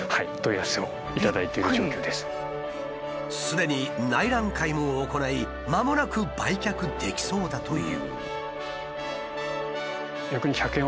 すでに内覧会も行いまもなく売却できそうだという。